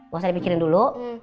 gak usah dipikirin dulu